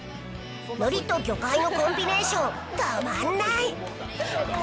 のりと魚介のコンビネーション、たまんない。